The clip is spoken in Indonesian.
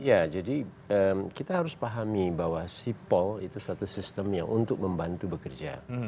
ya jadi kita harus pahami bahwa sipol itu suatu sistem yang untuk membantu bekerja